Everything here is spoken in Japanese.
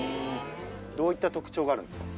どういった特徴があるんですか？